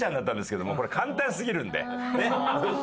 これ簡単すぎるんで。